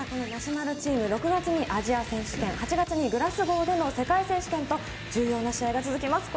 ナショナルチームは６月にアジア選手権、８月にグラスゴーでの世界選手権と、重要な試合が続きます。